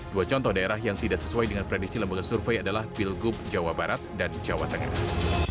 dua contoh daerah yang tidak sesuai dengan predisi lembaga survei adalah pilgub jawa barat dan jawa tengah